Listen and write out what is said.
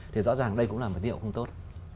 thì rõ ràng đây cũng là một điều không tốt